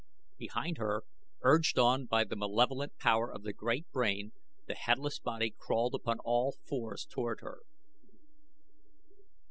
Behind her, urged on by the malevolent power of the great brain, the headless body crawled upon all fours toward her.